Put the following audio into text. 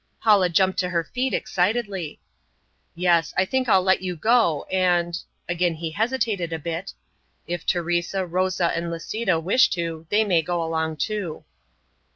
Paula jumped to her feet excitedly. "Yes, I think I'll let you go and" again he hesitated a bit "if Teresa, Rosa and Lisita wish to, they may go along too."